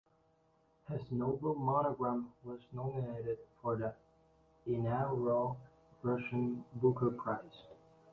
His novel "Monogram" was nominated for the inaugural Russian Booker Prize.